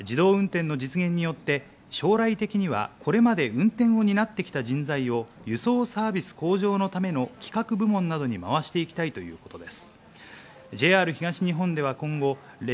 自動運転の実現によって将来的にはこれまで運転を担っていた人材を輸送サービス向上のための企画部門などにまわしていきたいということです。